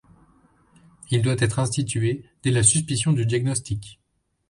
Il doit être institué dès la suspicion du diagnostic.